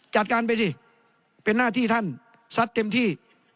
จัดการไปสิเป็นหน้าที่ท่านซัดเต็มที่